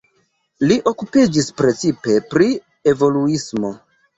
Li okupiĝis precipe pri evoluismo.